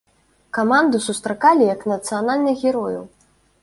Каманду сустракалі як нацыянальных герояў.